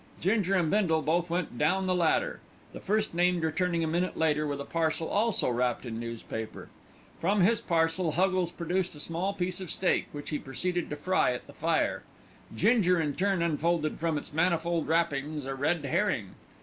Ginger and Bindle both went down the ladder, the first named returning a minute later with a parcel, also wrapped in newspaper. From his parcel Huggles produced a small piece of steak, which he proceeded to fry at the fire. Ginger in turn unfolded from its manifold wrappings a red herring.